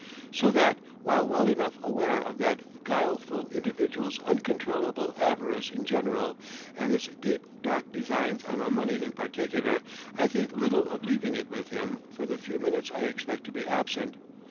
So that, while well enough aware of that guileful individual's uncontrollable avarice in general, and his deep, dark designs on my money in particular, I think little of leaving it with him for the few minutes I expect to be absent.